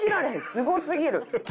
すごすぎる。